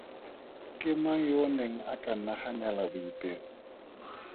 Ke mang yo o neng a ka naganela Boipelo?